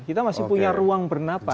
kita masih punya ruang bernapas